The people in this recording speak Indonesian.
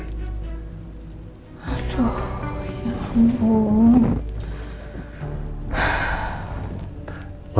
aduh ya ampun